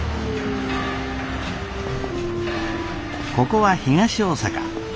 ここは東大阪。